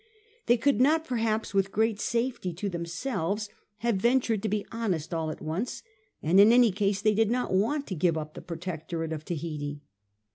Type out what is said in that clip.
They could not perhaps with great safety to themselves have ventured to be honest all at once ; and in any case they did not want to give up the protectorate of Tahiti.